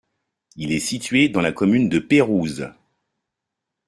Il est situé dans la commune de Pérouse.